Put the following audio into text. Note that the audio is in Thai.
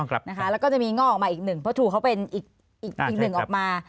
แล้วก็จะมีง่อออกมาอีกหนึ่งเพราะถูกเขาเป็นอีกหนึ่งออกมา